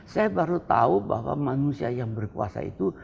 saya baru tahu bahwa manusia yang berkuasa itu